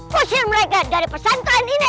fosil mereka dari pesantren ini